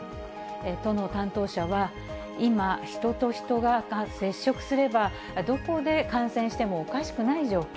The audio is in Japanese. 都の担当者は、今、人と人が接触すれば、どこで感染してもおかしくない状況。